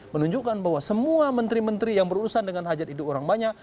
menunjukkan bahwa semua menteri menteri yang berurusan dengan hajat hidup orang banyak